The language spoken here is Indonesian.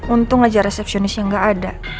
untung aja resepsionisnya gak ada